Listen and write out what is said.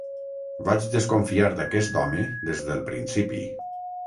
Vaig desconfiar d'aquest home des del principi.